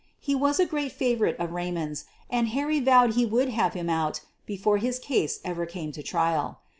He was a great favor ite of Raymond's and Harry vowed he would have him out before his case ever came to trial.